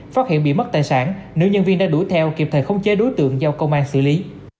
phát hiện bị mất tài sản nữ nhân viên đã đuổi theo kịp thời khống chế đối tượng do công an xử lý